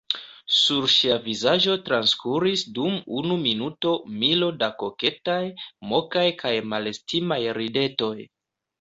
Sur ŝia vizaĝo transkuris dum unu minuto milo da koketaj, mokaj kaj malestimaj ridetoj.